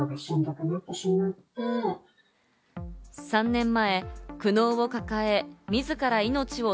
３年前、苦悩を抱え、みずから命を